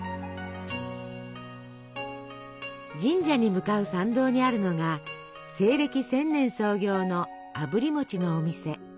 神社に向かう参道にあるのが西暦１０００年創業のあぶり餅のお店。